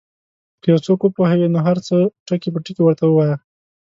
که یو څوک وپوهوې نو هر څه ټکي په ټکي ورته ووایه.